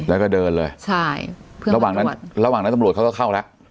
แล้วก็เดินเลยใช่ระหว่างนั้นตำรวจเขาก็เข้าแล้ว